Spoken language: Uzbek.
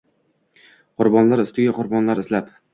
Qurbonlar ustiga qurbonlar izlab